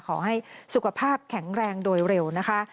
ขอให้สุขภาพแข็งแรงโดยเร็วนะคะ